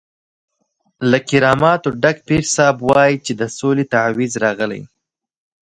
له کراماتو ډک پیر صاحب وایي چې د سولې تعویض راغلی.